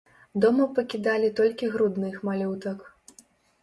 Дома пакідалі толькі грудных малютак.